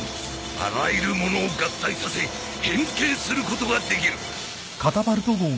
あらゆるものを合体させ変形することができる。